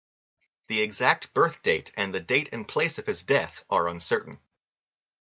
The exact birth date and the date and place of his death are uncertain.